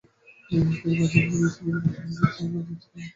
তিনি বাজেল বিশ্ববিদ্যালয়ে পড়াশোনার জন্য বাজেলে চলে যান।